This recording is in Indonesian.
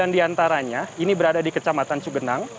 tiga puluh sembilan diantaranya ini berada di kecamatan sugenang